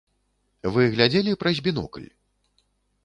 Вы глядзелі праз бінокль?